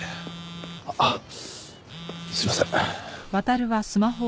あっすいません。